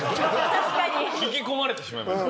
引き込まれてしまいました。